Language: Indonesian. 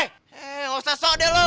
hei gak usah sok deh lo